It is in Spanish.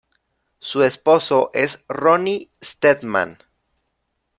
Su esposo es Ronnie Steadman.